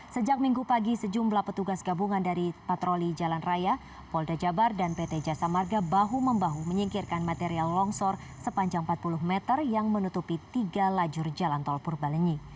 sejak minggu pagi sejumlah petugas gabungan dari patroli jalan raya polda jabar dan pt jasa marga bahu membahu menyingkirkan material longsor sepanjang empat puluh meter yang menutupi tiga lajur jalan tol purbalenyi